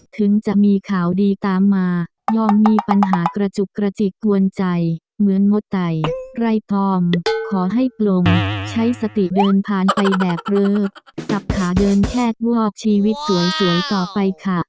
ถึงจะมีข่าวดีตามมายอมมีปัญหากระจุกกระจิกกวนใจเหมือนงดไตใครพร้อมขอให้ปลงใช้สติเดินผ่านไปแบบเผลอจับขาเดินแคดวอกชีวิตสวยต่อไปค่ะ